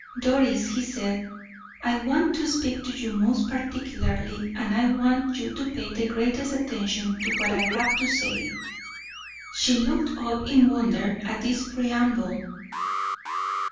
"Doris," he said, "I want to speak to you most particularly, and I want you to pay the greatest attention to what I have to say." She looked up in wonder at this preamble.